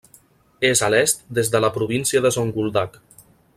És a l'est des de la província de Zonguldak.